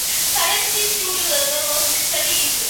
Salem's sixth studio album was "Necessary Evil".